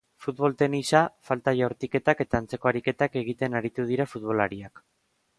Futbol-tenisa, falta jaurtiketak eta antzeko ariketak egiten aritu dira futbolariak.